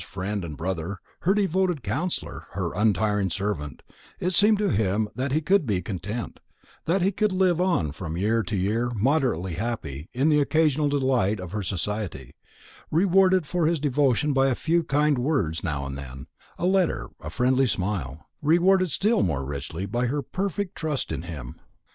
If he might be Marian's friend and brother, her devoted counsellor, her untiring servant, it seemed to him that he could be content, that he could live on from year to year moderately happy in the occasional delight of her society; rewarded for his devotion by a few kind words now and then, a letter, a friendly smile, rewarded still more richly by her perfect trust in him.